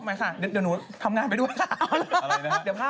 ใหม่ค่ะเดี๋ยวหนูทำงานไปด้วยค่ะ